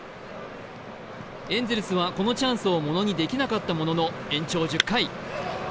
エンゼルスは、このチャンスをものにできなかったものの延長１０回。